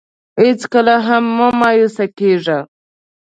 هېڅکله هم مه مایوسه کېږه.